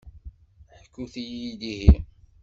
Ḥkut-iyi-d ihi.